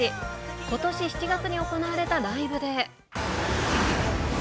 ことし７月に行われたライブで。